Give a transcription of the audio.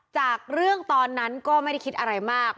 จากเรื่องตอนนั้นก็ไม่ได้คิดอะไรมาก